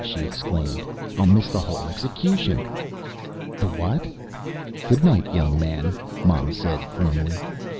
she exclaimed. "I'll miss the whole execution ..." "The what?" "Goodnight, young man," Mom said firmly.